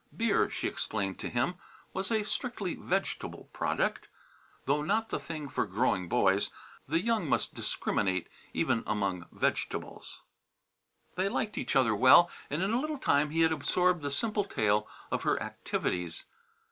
Beer, she explained to him, was a strictly vegetable product, though not the thing for growing boys. The young must discriminate, even among vegetables. They liked each other well and in a little time he had absorbed the simple tale of her activities.